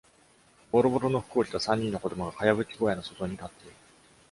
ボロボロの服を着た三人の子供が茅葺き小屋の外に立っている。